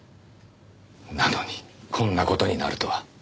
なのにこんな事になるとは。